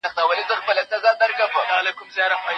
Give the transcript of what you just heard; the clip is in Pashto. بد نوم ګټل ډېر اسانه دي.